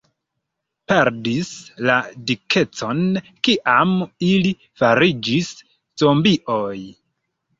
... perdis la dikecon kiam ili fariĝis zombioj.